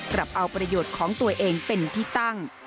ปรับเอาประโยชน์ของตัวเองเป็นที่ตั้ง